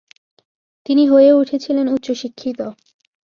তিনি হয়ে উঠেছিলেন উচ্চশিক্ষিত।